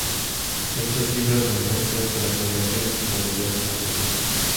Estas cifras nos muestran, que la población en su mayoría son mujeres.